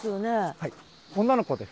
はい女の子です。